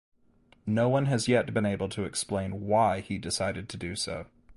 No one has yet been able to explain why he decided to do so.